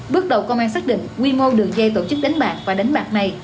bước đầu công an xác định quy mô đường dây tổ chức đánh bạc và đánh bạc này